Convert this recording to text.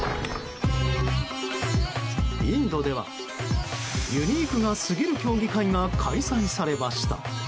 インドではユニークが過ぎる競技会が開催されました。